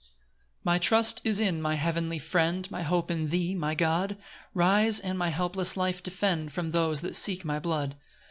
1 My trust is in my heavenly Friend, My hope in thee, my God; Rise and my helpless life defend From those that seek my blood.